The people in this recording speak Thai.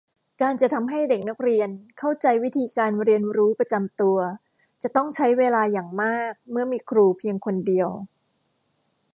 การจะทำให้เด็กนักเรียนเข้าใจวิธีการเรียนรู้ประจำตัว จะต้องใช้เวลาอย่างมากเมื่อมีครูเพียงคนเดียว